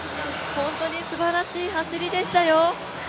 本当にすばらしい走りでしたよ。